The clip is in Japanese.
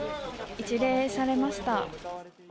一礼されました。